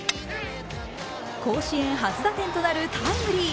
甲子園初打点となるタイムリー。